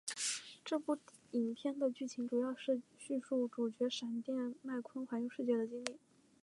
这部影片的剧情主要是叙述主角闪电麦坤环游世界的经历。